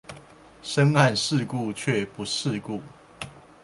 深諳世故卻不世故